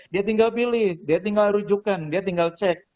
dia tinggal pilih dia tinggal rujukan dia tinggal cek